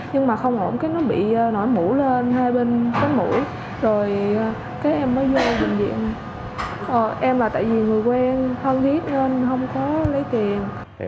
nhưng mà không ổn cái nó bị nổi mũ lên hai bên cánh mũi rồi cái em mới vô bệnh viện